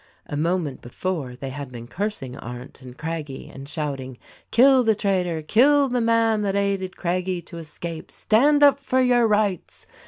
A moment before they had been cursing Arndt and Craggie and shouting "Kill the traitor ; kill the man that aided Craggie to escape ; stand up for your rights